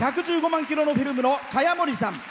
１１番「１１５万キロのフィルム」のかやもりさん。